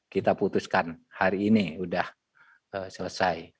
kita putuskan hari ini sudah selesai